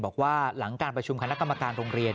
บอกว่าหลังการประชุมคณะกรรมการโรงเรียน